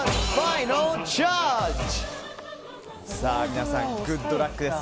皆さん、グッドラックです。